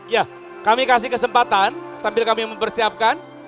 ya kami kasih kesempatan sambil kami mempersiapkan